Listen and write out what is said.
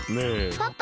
パパ？